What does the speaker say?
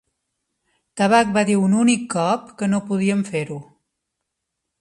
Tabac va dir un únic cop que no podíem fer-ho.